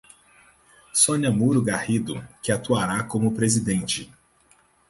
Sonia Muro Garrido, que atuará como presidente.